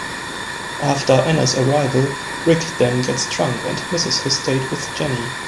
After Anna's arrival, Rick then gets drunk and misses his date with Jenny.